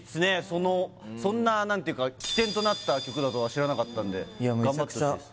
そのそんな何ていうかだとは知らなかったんで頑張ってほしいです